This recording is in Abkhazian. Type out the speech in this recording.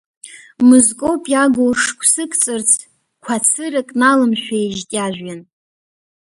Мызкоуп иагу шықәсык ҵырц қәацырак налымшәеижьҭеи ажәҩан.